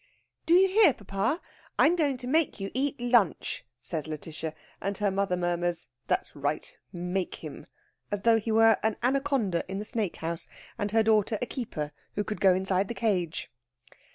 "Do you hear, papa? I'm to make you eat your lunch," says Lætitia; and her mother murmurs "That's right; make him," as though he were an anaconda in the snake house, and her daughter a keeper who could go inside the cage.